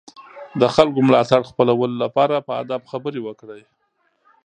د خلکو ملاتړ خپلولو لپاره په ادب خبرې وکړئ.